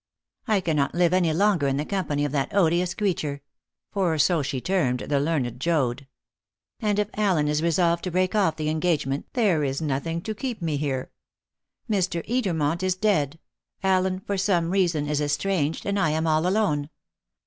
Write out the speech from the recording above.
I cannot live any longer in the company of that odious creature" for so she termed the learned Joad. "And if Allen is resolved to break off the engagement, there is nothing to keep me here. Mr. Edermont is dead; Allen, for some reason, is estranged, and I am all alone.